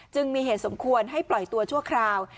จึงมีเหตุสมควรให้ปล่อยตัวชั่วคราว